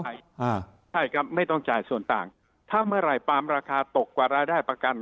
ใช่อ่าใช่ครับไม่ต้องจ่ายส่วนต่างถ้าเมื่อไหร่ปาล์มราคาตกกว่ารายได้ประกัน